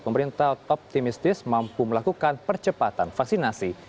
pemerintah optimistis mampu melakukan percepatan vaksinasi